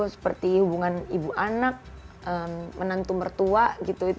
seperti hubungan ibu anak menantu mertua gitu